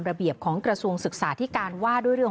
ระเบียบของกระทรวงศึกษาที่การว่าด้วยเรื่อง